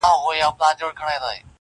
o راستي کمي نه لري!